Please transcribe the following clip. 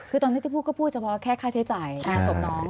คือตอนนี้ที่พูดก็พูดเฉพาะแค่ค่าใช้จ่ายงานศพน้อง